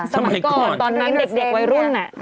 สมัยก่อนตอนนั้นเด็กวัยรุ่น